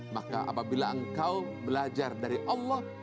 maka apabila engkau belajar dari allah